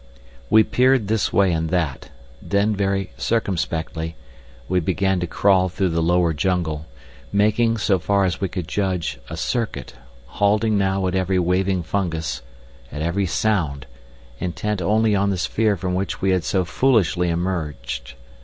We peered this way and that. Then very circumspectly, we began to crawl through the lower jungle, making, so far as we could judge, a circuit, halting now at every waving fungus, at every sound, intent only on the sphere from which we had so foolishly emerged.